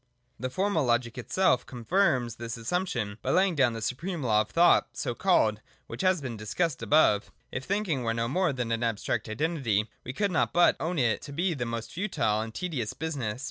The Formal Logic itself confirms this assumption by laying down the supreme law of thought (so called) which has been discussed above. If thinking were no more than an abstract Identity, we could not but own it to be a most futile and tedious business.